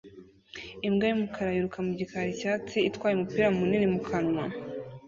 Imbwa y'umukara yiruka mu gikari cyatsi itwaye umupira munini mu kanwa